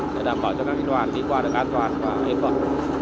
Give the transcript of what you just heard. để đảm bảo cho các đoàn đi qua được an toàn và yên bận